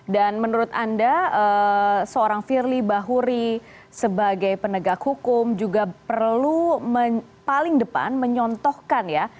dan menurut anda seorang firly bahuri sebagai penegak hukum juga perlu paling depan menyontohkan ya